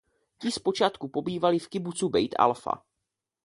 Ti zpočátku pobývali v kibucu Bejt Alfa.